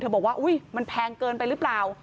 บอกว่าอุ๊ยมันแพงเกินไปหรือเปล่า